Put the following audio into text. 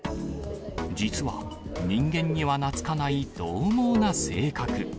実は、人間には懐かないどう猛な性格。